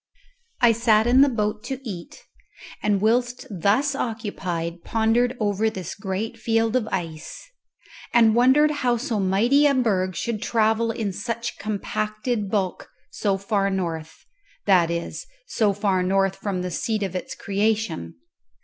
I sat in the boat to eat, and whilst thus occupied pondered over this great field of ice, and wondered how so mighty a berg should travel in such compacted bulk so far north that is, so far north from the seat of its creation.